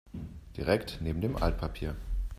Direkt neben dem Altpapier.